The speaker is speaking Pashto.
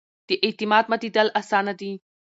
د اعتماد ماتېدل اسانه دي